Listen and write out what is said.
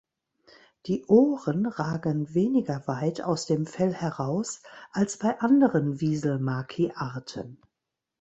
Die Ohren ragen weniger weit aus dem Fell heraus als bei anderen Wieselmaki-Arten.